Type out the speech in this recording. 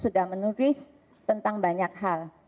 sudah menulis tentang banyak hal